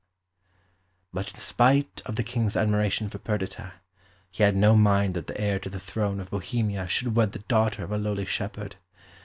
But in spite of the King's admiration for Perdita, he had no mind that the heir to the throne of Bohemia should wed the daughter of a lowly shepherd.